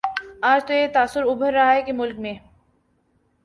آج تو یہ تاثر ابھر رہا ہے کہ ملک میں